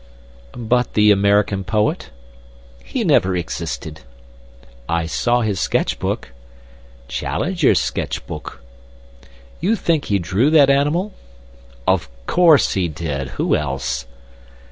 "But the American poet?" "He never existed." "I saw his sketch book." "Challenger's sketch book." "You think he drew that animal?" "Of course he did. Who else?"